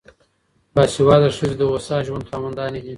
باسواده ښځې د هوسا ژوند خاوندانې دي.